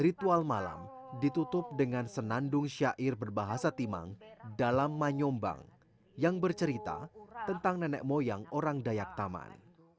ritual malam ditutup dengan senandung syair berbahasa timang dalam manyombang yang bercerita tentang nenek moyang orang dayak taman